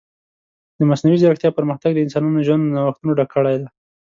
د مصنوعي ځیرکتیا پرمختګ د انسانانو ژوند له نوښتونو ډک کړی دی.